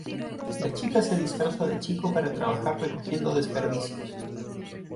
La chica se disfraza de chico para trabajar recogiendo desperdicios.